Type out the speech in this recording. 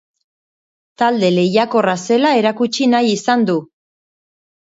Talde lehiakorra zela erakutsi nahi izan du.